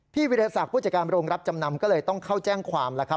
วิทยาศักดิ์ผู้จัดการโรงรับจำนำก็เลยต้องเข้าแจ้งความแล้วครับ